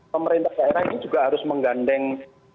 pemerintah daerah ini juga harus menggandeng